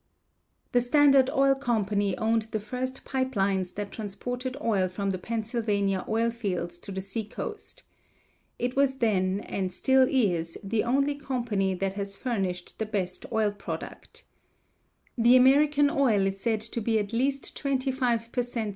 The Standard Oil Company owned the first pipe lines that transported oil from the Pennsylvania oil fields to the seacoast. It was then and still is the only company that has furnished the best oil product. The American oil is said to be at least twenty five per cent.